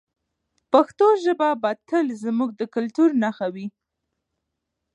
پښتو ژبه به تل زموږ د کلتور نښه وي.